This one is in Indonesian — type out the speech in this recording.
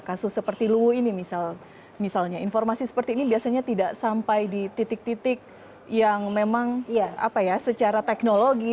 kasus seperti luwu ini misalnya informasi seperti ini biasanya tidak sampai di titik titik yang memang apa ya secara teknologi